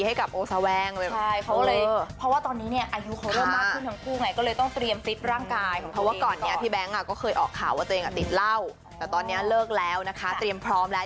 ให้กับโอสาวาง